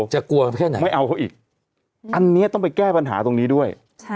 กลัวประเภทไหนไม่เอาเขาอีกอันนี้ต้องไปแก้ปัญหาตรงนี้ด้วย